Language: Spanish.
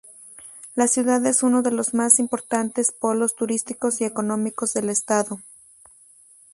La ciudad es uno de los más importantes polos turísticos y económicos del Estado.